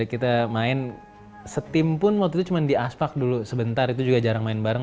kita main setim pun waktu itu cuma di aspak dulu sebentar itu juga jarang main bareng